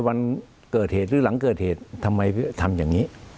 วันเกิดเหตุหรือหลังเกิดเหตุทำไมทำอย่างนี้